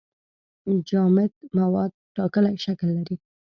جامد مواد ټاکلی شکل لري.